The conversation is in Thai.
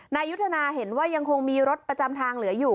นายยุทธนาเห็นว่ายังคงมีรถประจำทางเหลืออยู่